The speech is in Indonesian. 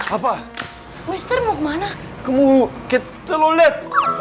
apa mister mau kemana kemu ke telolet